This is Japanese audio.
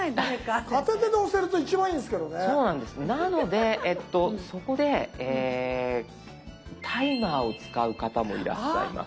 なのでそこでタイマーを使う方もいらっしゃいます。